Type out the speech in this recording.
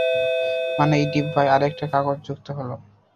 মানে এই ডিব্বায় আরো একটা কাগজ যুক্ত হলো।